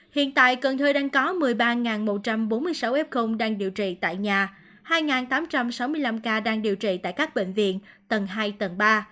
hiện tại cần thơ đang có một mươi ba một trăm bốn mươi sáu f đang điều trị tại nhà hai tám trăm sáu mươi năm ca đang điều trị tại các bệnh viện tầng hai tầng ba